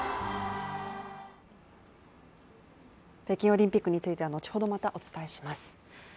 北京オリンピックについては後ほどまたお伝えします。